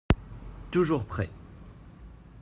Toujours prêt